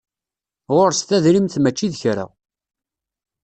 Ɣures tadrimt mačči d kra.